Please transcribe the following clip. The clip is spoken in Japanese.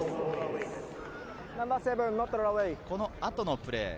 この後のプレー。